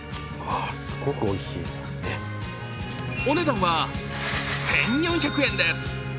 お値段は１４００円です。